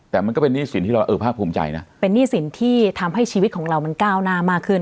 แต่มันก็เป็นหนี้สินที่เราเออภาคภูมิใจนะเป็นหนี้สินที่ทำให้ชีวิตของเรามันก้าวหน้ามากขึ้น